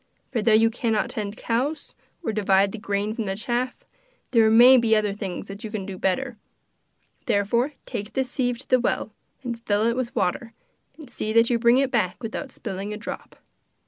For though you cannot tend cows, or divide the grain from the chaff, there may be other things that you can do better. Therefore take this sieve to the well, and fill it with water, and see that you bring it back without spilling a drop.